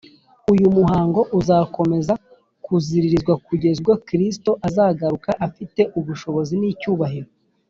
uyu muhango uzakomeza kuziririzwa kugeza ubwo kristo azagaruka afite ubushobozi n’icyubahiro